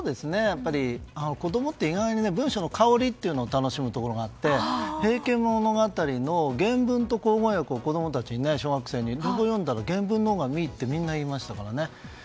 子供って意外に文章の香りを楽しむところがあって「平家物語」の原文と口語訳を子供たちに読んだら原文のほうがいいってみんな言いましたからね。